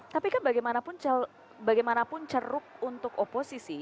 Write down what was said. tapi kan bagaimanapun ceruk untuk oposisi